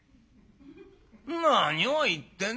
何を言ってんでい。